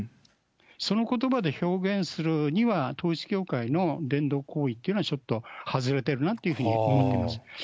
そのことばで表現するには統一教会の伝道行為っていうのは、ちょっと外れてるなっていうふうに思ってます。